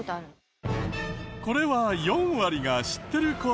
これは４割が知ってる事。